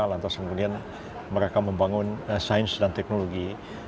lantas kemudian mereka membangun sains dan teknologi